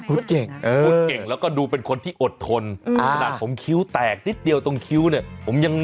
เก่งพูดเก่งแล้วก็ดูเป็นคนที่อดทนขนาดผมคิ้วแตกนิดเดียวตรงคิ้วเนี่ยผมยัง